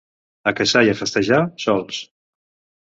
A caçar i a festejar, sols.